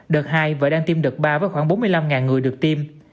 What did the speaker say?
đợt hai và đang tiêm đợt ba với khoảng bốn mươi năm người được tiêm